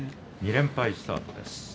２連敗スタートです。